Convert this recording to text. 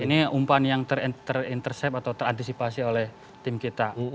ini umpan yang terintercept atau terantisipasi oleh tim kita